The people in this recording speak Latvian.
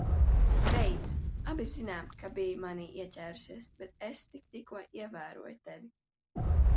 Beidz. Abi zinām, ka biji manī ieķērusies, bet es tik tikko ievēroju tevi.